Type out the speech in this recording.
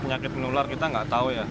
penyakit menular kita nggak tahu ya